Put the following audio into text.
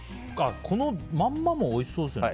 このまんまもおいしそうですね。